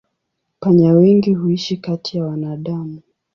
Panya wengi huishi kati ya wanadamu.